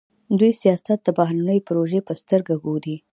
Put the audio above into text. دوی سیاست د بهرنیو د پروژې په سترګه ګوري.